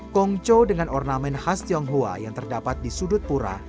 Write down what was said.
kongco dengan ornamen khas tionghoa yang terdapat di sudut pura